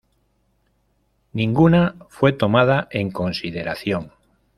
Ninguna fue tomada en consideración.